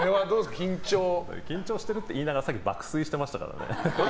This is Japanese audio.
緊張してるって言いながらさっき爆睡してましたからね。